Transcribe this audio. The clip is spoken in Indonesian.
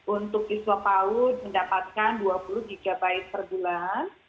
untuk siswa pau mendapatkan dua puluh gb per bulan